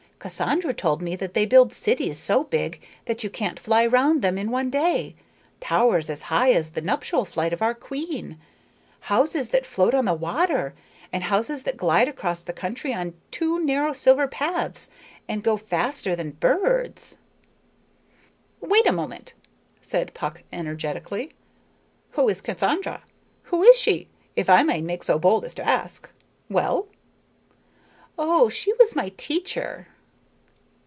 Cassandra told me that they build cities so big that you can't fly round them in one day, towers as high as the nuptial flight of our queen, houses that float on the water, and houses that glide across the country on two narrow silver paths and go faster than birds." "Wait a moment!" said Puck energetically. "Who is Cassandra? Who is she, if I may make so bold as to ask? Well?" "Oh, she was my teacher."